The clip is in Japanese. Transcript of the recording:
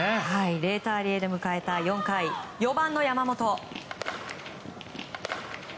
０対０で迎えた４回４番の山本。